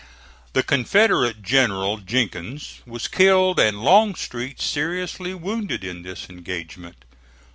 The Confederate General Jenkins was killed and Longstreet seriously wounded in this engagement.